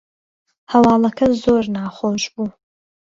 هەواڵەکە زۆر ناخۆش بوو